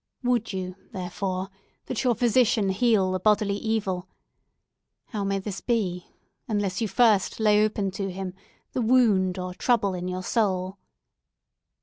Would you, therefore, that your physician heal the bodily evil? How may this be unless you first lay open to him the wound or trouble in your soul?"